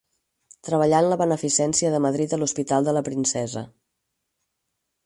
Treballà en la Beneficència de Madrid a l’Hospital de la Princesa.